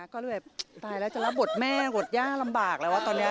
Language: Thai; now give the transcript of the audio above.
ก็เลยตายแล้วจะรับบทแม่บทย่าลำบากแล้วตอนนี้